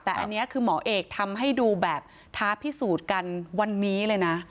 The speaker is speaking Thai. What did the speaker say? แต่อันนี้คือหมอเอกทำให้ดูแบบท้าพิสูจน์กันวันนี้เลยนะ